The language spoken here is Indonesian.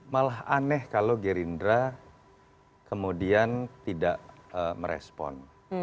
malah aneh kalau gerindra kemudian tidak merespon